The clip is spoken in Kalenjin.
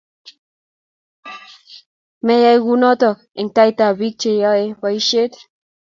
Meyay kunoto eng tautab biik cheyoe boishiet